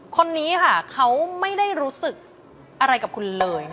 คนนี้ค่ะเขาไม่ได้รู้สึกอะไรกับคุณเลย